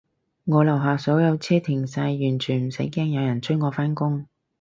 我樓下所有車停晒，完全唔使驚有人催我返工